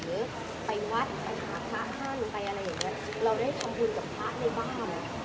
หรือไปวัดหาพระท่านไปอะไรอย่างนั้นเราได้ทำอุณหภีมิกับพระในบ้าน